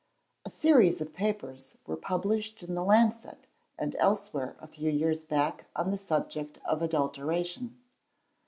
A series of papers were published in the Lancet and elsewhere a few years back on the subject of Adulteration.